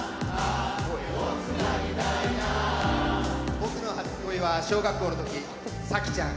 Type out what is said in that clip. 僕の初恋は小学校のとき、さきちゃん。